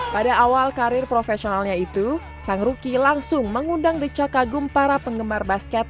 pada awal karir profesionalnya itu sang ruki langsung mengundang decah kagum para penggemar basket